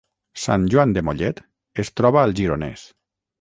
Sant Joan de Mollet es troba al Gironès